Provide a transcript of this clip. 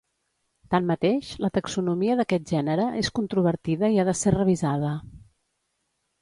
Tanmateix, la taxonomia d'aquest gènere és controvertida i ha de ser revisada.